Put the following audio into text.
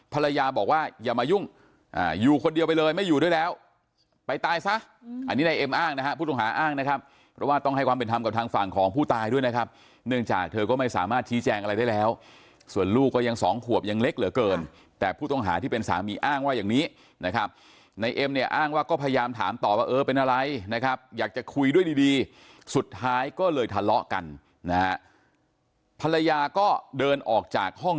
ภรรยาบอกว่าอย่ามายุ่งอยู่คนเดียวไปเลยไม่อยู่ด้วยแล้วไปตายซะอันนี้นายเอ็มอ้างนะฮะผู้ต้องหาอ้างนะครับเพราะว่าต้องให้ความเป็นธรรมกับทางฝั่งของผู้ตายด้วยนะครับเนื่องจากเธอก็ไม่สามารถชี้แจงอะไรได้แล้วส่วนลูกก็ยังสองขวบยังเล็กเหลือเกินแต่ผู้ต้องหาที่เป็นสามีอ้างว่าอย่างนี้นะครับนายเอ็มเนี่ยอ้าง